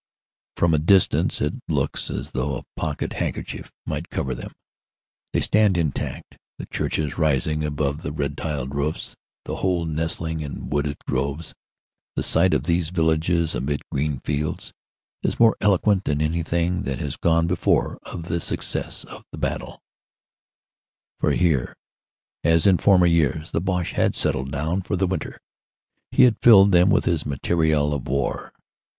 From a distance it looks as though a pocket handkerchief might cover them. They stand intact, the churches rising above the red tiled roofs, the whole nestling in wooded groves. The sight of these villages amid green fields is more eloquent than anything that has gone before of the success of the battle, 168 AFTER THE BATTLE 169 for here, as in former years, the Boche had settled down for the winter. He had filled them with his material of war.